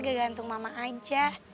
gagantung mama aja